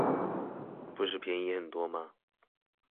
不是便宜很多嗎